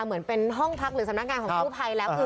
เหมือนเป็นห้องพักหรือสำนักงานของผู้ไพร์